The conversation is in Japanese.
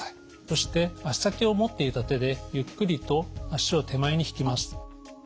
そして足先を持っていた手でゆっくりと足を手前に引きます。